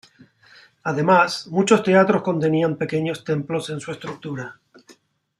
Además, muchos teatros contenían pequeños templos en su estructura.